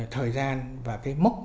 thời gian và cái mốc